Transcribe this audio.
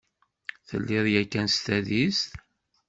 Telliḍ yakan s tadist?